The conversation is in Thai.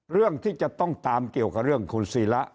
เรื่องที่จะต้องตามเกี่ยวกับเรื่องคุณศิระ